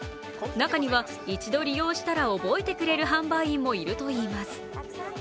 中には、一度利用したら覚えてくれる販売員もいるといいます。